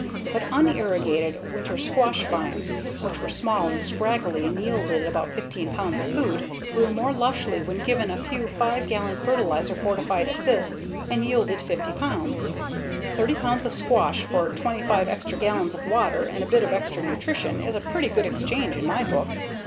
But unirrigated winter squash vines, which were small and scraggly and yielded about 15 pounds of food, grew more lushly when given a few 5 gallon, fertilizer fortified assists and yielded 50 pounds. Thirty five pounds of squash for 25 extra gallons of water and a bit of extra nutrition is a pretty good exchange in my book.